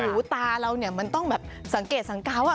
หูตาเราเนี่ยมันต้องแบบสังเกตสังกาว